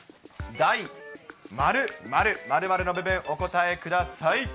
大〇〇、○○の部分、お答えください。